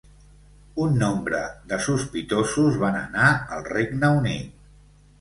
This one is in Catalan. Un nombre de sospitosos van anar al Regne Unit.